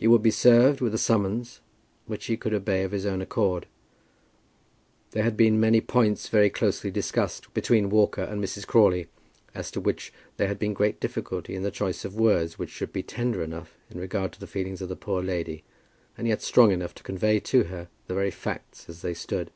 He would be served with a summons, which he could obey of his own accord. There had been many points very closely discussed between Walker and Mrs. Crawley, as to which there had been great difficulty in the choice of words which should be tender enough in regard to the feelings of the poor lady, and yet strong enough to convey to her the very facts as they stood.